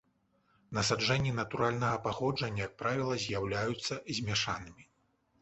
Насаджэнні натуральнага паходжання, як правіла, з'яўляюцца змяшанымі.